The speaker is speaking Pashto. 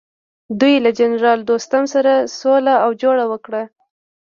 دوی له جنرال دوستم سره سوله او جوړه وکړه.